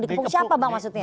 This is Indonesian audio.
dikepung siapa bang maksudnya